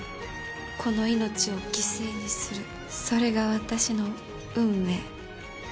この命を犠牲にするそれが私の運命。